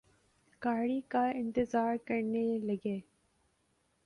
گاڑی کا انتظار کرنے لگے